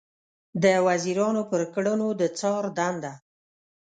د وزیرانو پر کړنو د څار دنده